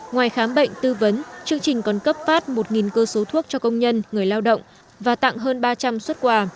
ngoài khám bệnh tư vấn chương trình còn cấp phát một cơ số thuốc cho công nhân người lao động và tặng hơn ba trăm linh xuất quà